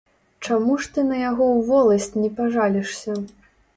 Чаму ж ты на яго ў воласць не пажалішся?